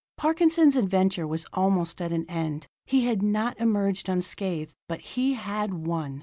] Parkinson's adventure was almost at an end. He had not emerged unscathed, but he had won!